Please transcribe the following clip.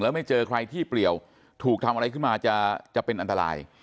แล้วไม่เจอใครที่เปลี่ยวถูกทำอะไรขึ้นมาจะเป็นอันตราย